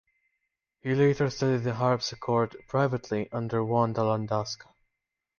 He later studied the harpsichord privately under Wanda Landowska.